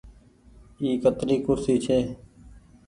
اي ڪتري ڪُرسي ڇي۔